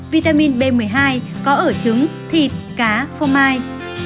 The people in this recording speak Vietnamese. vitamin b một mươi hai có ở trứng thịt cá phô mai